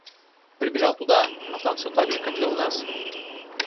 Прибежал туда а там всё так же как и у нас.